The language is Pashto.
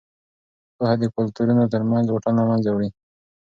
پوهه د کلتورونو ترمنځ واټن له منځه وړي.